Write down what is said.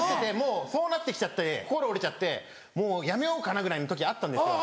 そうなって来ちゃって心折れちゃってもう辞めようかなぐらいの時あったんですよ。